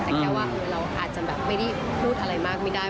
แต่แค่ว่าเราอาจจะแบบไม่ได้พูดอะไรมากไม่ได้